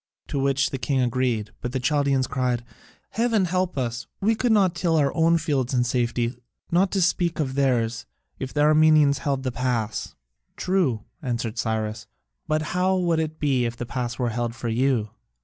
To which the king agreed. But the Chaldaeans cried, "Heaven help us! We could not till our own fields in safety, not to speak of theirs, if the Armenians held the pass." "True," answered Cyrus, "but how would it be if the pass were held for you?"